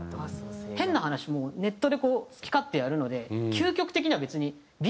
変な話もうネットでこう好き勝手やるので究極的には別に。